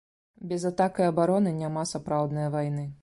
Без атак і абароны няма сапраўднае вайны